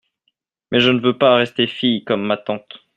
Mais je ne veux pas rester fille comme ma tante…